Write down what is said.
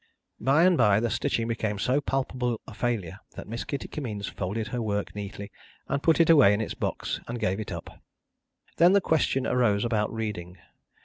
By and by the stitching became so palpable a failure that Miss Kitty Kimmeens folded her work neatly, and put it away in its box, and gave it up. Then the question arose about reading.